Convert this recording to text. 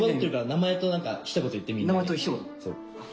名前と一言。